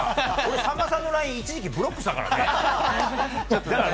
さんまさんのＬＩＮＥ一時期ブロックしたからね。